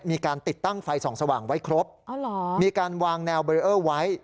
มีการติดตั้งไฟส่องสว่างไว้ครบมีการวางแนวเบรเออร์ไว้